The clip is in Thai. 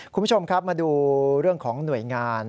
คุณผู้ชมครับมาดูเรื่องของหน่วยงาน